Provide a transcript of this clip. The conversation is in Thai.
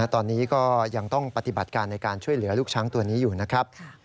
ตอนนี้ก็ยังต้องปฏิบัติการในการช่วยเหลือลูกช้างตัวนี้อยู่นะครับ